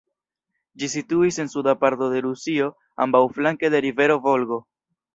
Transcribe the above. Ĝi situis en suda parto de Rusio ambaŭflanke de rivero Volgo.